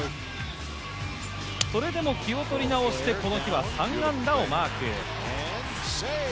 それでも気を取り直して、この日は３安打をマーク。